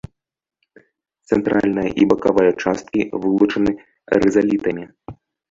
Цэнтральная і бакавая часткі вылучаны рызалітамі.